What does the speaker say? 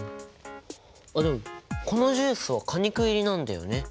あっでもこのジュースは果肉入りなんだよね。